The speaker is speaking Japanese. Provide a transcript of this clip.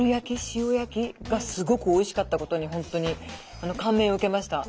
塩焼き？がすごくおいしかったことに本当にかんめいを受けました。